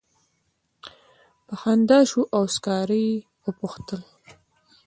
په خندا شو او سکاره یې وپوښتل.